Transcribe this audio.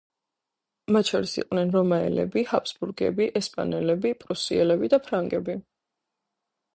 მათ შორის იყვნენ რომაელები, ჰაბსბურგები, ესპანელები, პრუსიელები თუ ფრანგები.